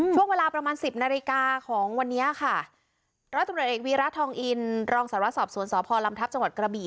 ช่วงเวลาประมาณสิบนาฬิกาของวันนี้ค่ะร้อยตำรวจเอกวีระทองอินรองสารวสอบสวนสพลำทัพจังหวัดกระบี่